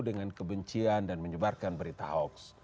dengan kebencian dan menyebarkan berita hoax